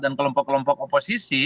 dan kelompok kelompok oposisi